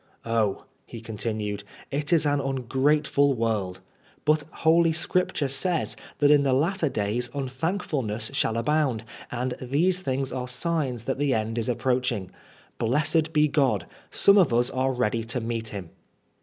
" Oh," he continued, *' it is an ungrateful world*. But holy scripture says that in the latter days unthankf ulness shall abound, and these things are signs that the end is approaching. Blessed be God, some of us are ready to meet him."